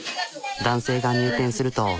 男性が入店すると。